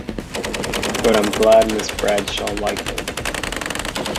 But I’m glad Miss Bradshaw liked them.